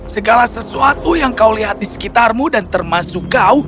segala sesuatu yang kau lihat di sekitarmu dan termasuk kau